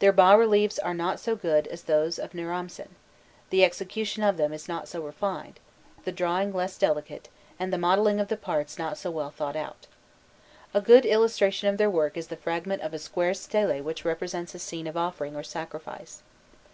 Their bas reliefs are not so good as those of Naramsin; the execution of them is not so refined, the drawing less delicate, and the modelling of the parts not so well thought out. A good illustration of their work is the fragment of a square stele which represents a scene of offering or sacrifice.